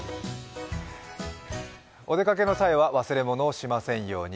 お出かけの際は忘れ物をしませんように。